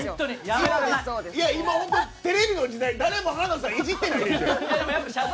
今のテレビの時代誰も花田さんいじってないですよ。